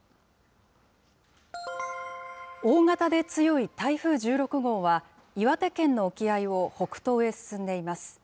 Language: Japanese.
大型で強い台風１６号は、岩手県の沖合を北東へ進んでいます。